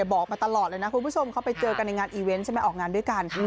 บอกมาตลอดนะคุณผู้ชมเขาไปเจอกันในงานออกงานด้วยกัน